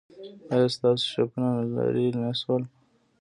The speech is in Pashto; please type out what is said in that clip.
ایا ستاسو شکونه لرې نه شول؟